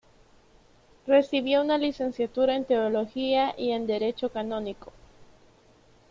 Recibió una licenciatura en Teología y en Derecho Canónico.